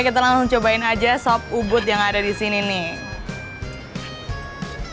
kita langsung cobain aja sop ubud yang ada di sini nih